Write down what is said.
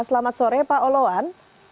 selamat sore pak oloan